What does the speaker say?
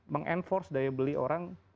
meng enforce daya beli orang